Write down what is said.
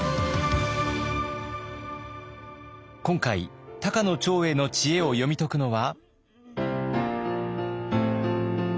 今回高野長英の知恵を読み解くのは。